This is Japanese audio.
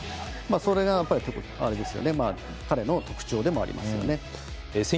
それが彼の特徴でもありますね。